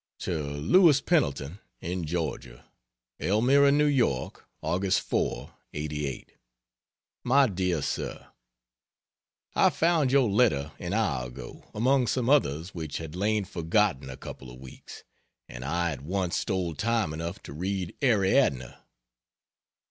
To Louis Pendleton, in Georgia: ELMIRA, N. Y., Aug. 4, '88. MY DEAR SIR, I found your letter an hour ago among some others which had lain forgotten a couple of weeks, and I at once stole time enough to read Ariadne.